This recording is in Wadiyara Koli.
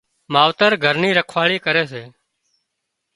ماوتر گھر نِي رکواۯي ڪري سي